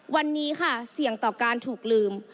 วันนี้ค่ะเสี่ยงต่อการถูกลืม